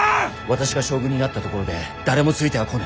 私が将軍になったところで誰もついてはこぬ。